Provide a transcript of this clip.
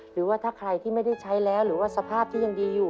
หรือว่าถ้าใครที่ไม่ได้ใช้แล้วหรือว่าสภาพที่ยังดีอยู่